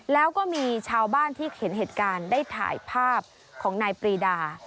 แล้วก็มีชาวบ้านที่เห็นเหตุการณ์ได้ถ่ายภาพของนายปรีดา